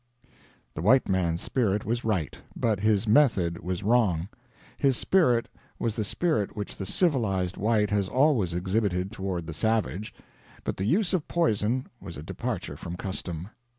The white man's spirit was right, but his method was wrong. His spirit was the spirit which the civilized white has always exhibited toward the savage, but the use of poison was a departure from custom.